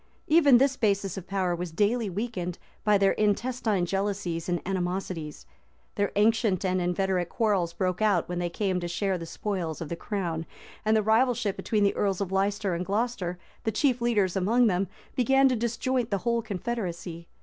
Even this basis of power was daily weakened by their intestine jealousies and animosities; their ancient and inveterate quarrels broke out when they came to share the spoils of the crown; and the rivalship between the earls of Leicester and Glocester, the chief leaders among them, began to disjoint the whole confederacy.